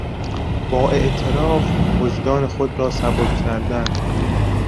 با اعتراف وجدان خود را سبک کردن